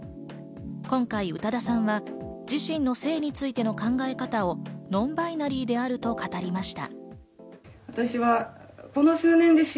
今回、宇多田さんは自身の性についての考え方をノンバイナリーであると語りました。